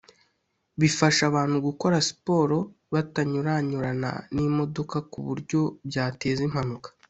bifasha abantu gukora siporo batanyuranyurana n’imodoka ku buryo byateza impanuka